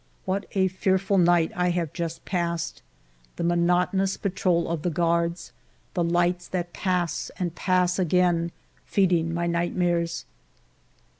What a fearful night I have just passed ! The monotonous patrol of the guards, the lights that pass and pass again, feeding my nightmares.